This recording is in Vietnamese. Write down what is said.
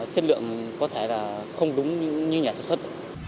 chất lượng có thể là không đúng như nhà sản xuất